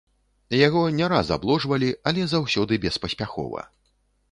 Яго не раз абложвалі, але заўсёды беспаспяхова.